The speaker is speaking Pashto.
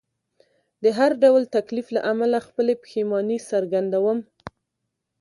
د هر ډول تکلیف له امله خپله پښیماني څرګندوم.